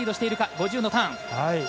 ５０のターン。